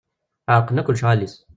Ɛerqen akk lecɣal-is.